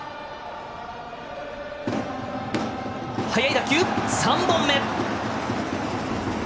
速い打球、３本目。